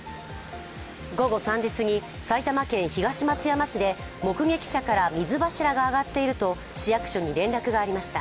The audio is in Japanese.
午後３時すぎ、埼玉県東松山市で目撃者から水柱が上がっていると市役所に連絡がありました。